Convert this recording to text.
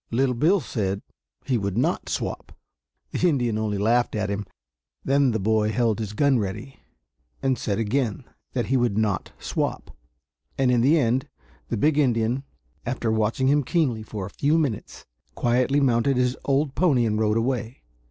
Little Bill said he would not swap. The Indian only laughed at him. Then the boy held his gun ready, and said again that he would not swap; and in the end the big Indian, after watching him keenly for a few minutes, quietly mounted his old pony and rode away.